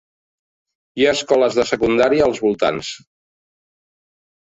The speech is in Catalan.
Hi ha escoles de secundària als voltants.